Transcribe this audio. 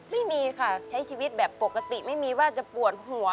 ไม่มีค่ะใช้ชีวิตแบบปกติไม่มีว่าจะปวดหัว